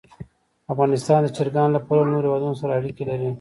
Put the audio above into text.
افغانستان د چرګانو له پلوه له نورو هېوادونو سره اړیکې لري.